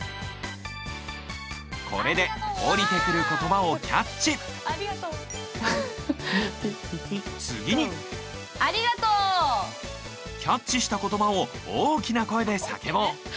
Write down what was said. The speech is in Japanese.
これで下りてくる言葉をキャッチ次にキャッチした言葉を大きな声で叫ぼう。